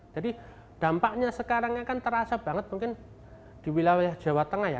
jadi dampaknya sekarangnya kan terasa banget mungkin di wilayah jawa tengah ya